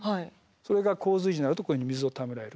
それが洪水時になるとこういうふうに水をためられる。